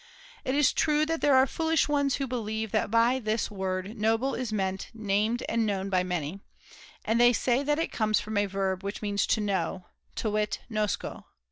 It is true that \(>o\ there are foolish ones who believe that by this word * noble ' is meant ' named and known by many,' and they say that it comes from a verb which means * to know,' to wit nosco.